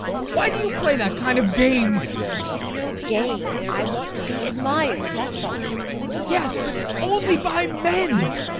Why do you play that kind of game? TEKLA. It is no game. I want to be admired that's all! ADOLPH. Yes, but only by men!